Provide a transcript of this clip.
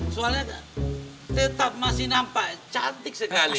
soalnya tetap masih nampak cantik sekali